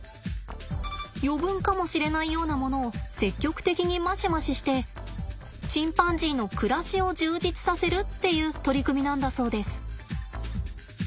余分かもしれないようなものを積極的にマシマシしてチンパンジーの暮らしを充実させるっていう取り組みなんだそうです。